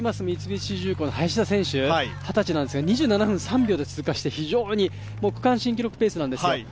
三菱重工の林田選手、２０歳なんですが２７分３秒で通過して、区間新記録ペースなんですよ。